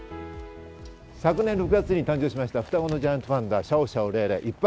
昨年６月に誕生しました双子のジャイアントパンダ、シャオシャオとレイレイ。